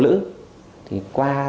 mày bảo là